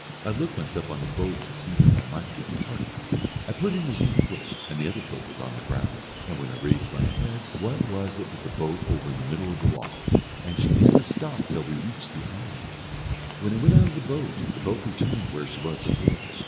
I looked myself on the boat to see how I might get part of them. I put in the one foot, and the other foot was on the ground, and when I raised my head what was it but the boat over in the middle of the loch, and she never stopped till she reached the island. When I went out of the boat the boat returned where she was before.